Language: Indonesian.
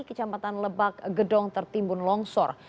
kecamatan lebak gedong tertimbun longsor